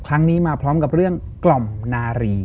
ครั้งนี้มาพร้อมกับเรื่องกล่อมนารี